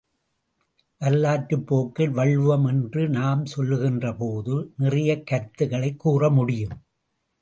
வரலாற்றுப் போக்கில் வள்ளுவம் என்று நாம் சொல்லுகின்றபோது, நிறையக் கருத்துக்களைக் கூற முடியும்.